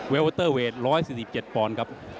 โอเตอร์เวท๑๔๗ปอนด์ครับ